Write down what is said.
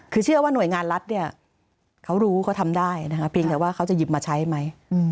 คือเชื่อว่าหน่วยงานรัฐเนี่ยเขารู้เขาทำได้นะคะเพียงแต่ว่าเขาจะหยิบมาใช้ไหม